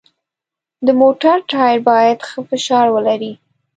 د موټر ټایر باید ښه فشار ولري.